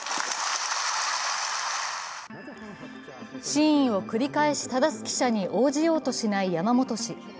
真意を繰り返しただす記者に応じようとしない山本氏。